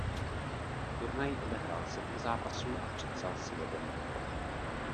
V turnaji odehrál sedm zápasů a připsal si jeden bod.